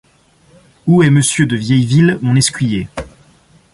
Où est monsieur de Vieilleville, mon escuyer?